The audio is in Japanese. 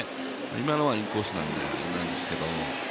今のはインコースなんであれですけど。